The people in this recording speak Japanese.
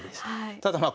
ただまあ